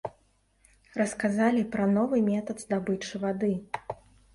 Расказалі пра новы метад здабычы вады.